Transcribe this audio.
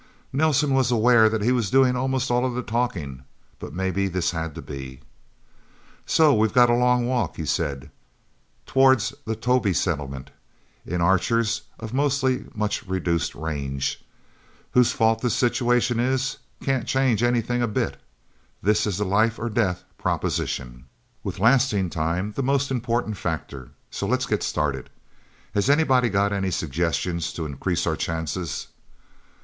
Nelsen was aware that he was doing almost all of the talking, but maybe this had to be. "So we've got a long walk," he said. "Toward the Tovie settlement. In Archers of mostly much reduced range. Whose fault the situation is, can't change anything a bit. This is a life or death proposition, with lasting time the most important factor. So let's get started. Has anybody got any suggestions to increase our chances?"